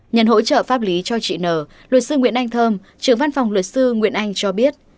nhận hỗ trợ pháp lý cho chị nờ luật sư nguyễn anh thơm trưởng văn phòng luật sư nguyễn anh cho biết